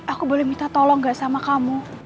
aku boleh minta tolong gak sama kamu